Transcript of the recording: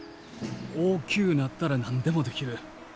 大きゅうなったら何でもできる。